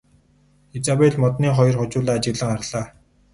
Изабель модны хоёр хожуулаа ажиглан харлаа.